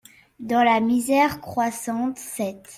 Dans la misère croissante (sept.